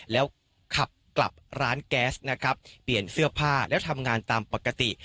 แล้วขับกลับร้านแก๊สนะครับเปลี่ยนเสื้อผ้าแล้วทำงานตามปกติ